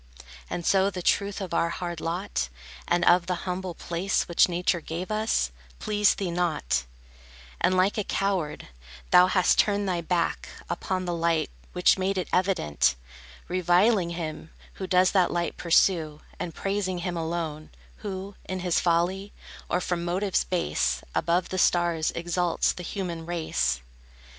And so the truth of our hard lot, And of the humble place Which Nature gave us, pleased thee not; And like a coward, thou hast turned thy back Upon the light, which made it evident; Reviling him who does that light pursue, And praising him alone Who, in his folly, or from motives base, Above the stars exalts the human race.